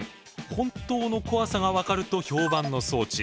本当の怖さが分かると評判の装置。